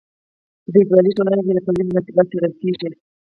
په فیوډالي ټولنه کې د تولید مناسبات څیړل کیږي.